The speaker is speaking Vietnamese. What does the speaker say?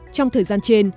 trong thời gian trên